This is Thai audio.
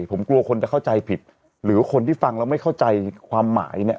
ผมกลัวคนจะเข้าใจผิดหรือคนที่ฟังแล้วไม่เข้าใจความหมายเนี่ย